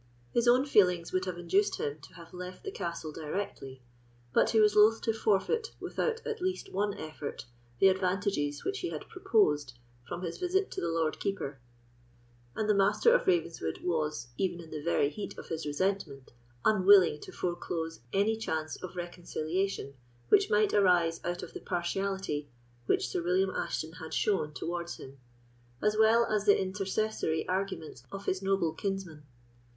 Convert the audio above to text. His own feelings would have induced him to have left the castle directly, but he was loth to forfeit, without at least one effort, the advantages which he had proposed from his visit to the Lord Keeper; and the Master of Ravenswood was, even in the very heat of his resentment, unwilling to foreclose any chance of reconciliation which might arise out of the partiality which Sir William Ashton had shown towards him, as well as the intercessory arguments of his noble kinsman.